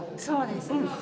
そうですね。